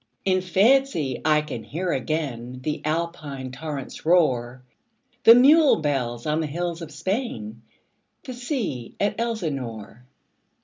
In fancy I can hear again The Alpine torrent's roar, The mule bells on the hills of Spain, 15 The sea at Elsinore.